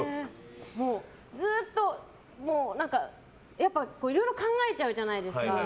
ずっと、いろいろ考えちゃうじゃないですか。